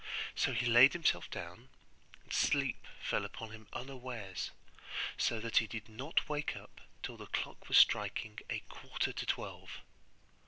So he laid himself down, and sleep fell upon him unawares, so that he did not wake up till the clock was striking a quarter to twelve.